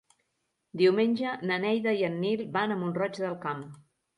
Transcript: Diumenge na Neida i en Nil van a Mont-roig del Camp.